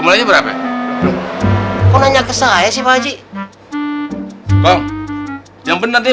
belanja berapa loh belanjanya rp tiga puluh berapa